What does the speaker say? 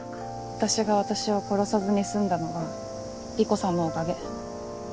私が私を殺さずに済んだのは理子さんのお陰。